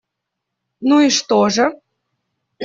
Ну и что же?